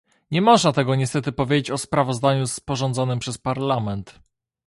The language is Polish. Nie można tego niestety powiedzieć o sprawozdaniu sporządzonym przez Parlament